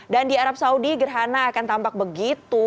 dan di arab saudi gerhana akan tampak begitu